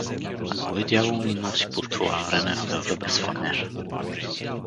А кой дявол ни носи по това време в града без фенер?